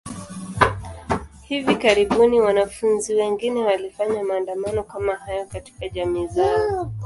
Hivi karibuni, wanafunzi wengine walifanya maandamano kama hayo katika jamii zao.